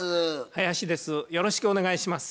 林です。